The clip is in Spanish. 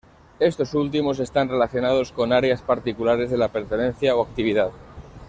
Estos últimos están relacionados con áreas particulares de la pertenencia o actividad.